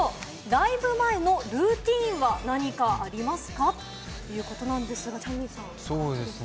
ライブ前のルーティンは何かありますか？ということなんですけれども、チャンミンさん。